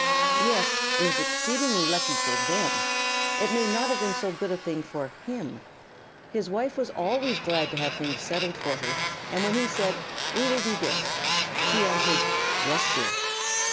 Yes, it was exceedingly lucky for them. It may not have been so good a thing for him. His wife was always glad to have things settled for her, and when he said, "We will do this," she answered, "Yes, dear."